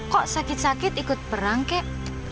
kok sakit sakit ikut perang kek